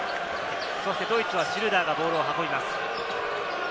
ドイツはシュルーダーがボールを運びます。